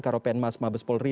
karopen mas mabes polri